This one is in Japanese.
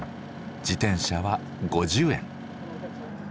自転車は５０円。